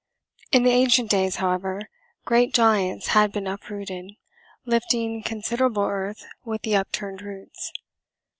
In the ancient days, however, great giants had been uprooted, lifting considerable earth with the upturned roots.